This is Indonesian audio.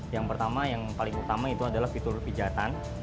yang pertama yang paling utama itu adalah fitur pijatan